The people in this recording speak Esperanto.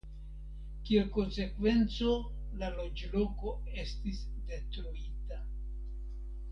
Kiel konsekvenco la loĝloko estis detruita.